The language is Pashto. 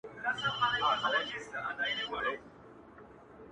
امېل د پښتو لنډيو لپاره زما ځانگړې راډيويي خپرونه.